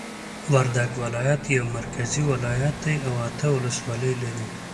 وردګ ولایت یو مرکزی ولایت دی او اته ولسوالۍ لری